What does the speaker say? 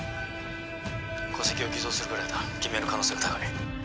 戸籍を偽造するぐらいだ偽名の可能性が高い。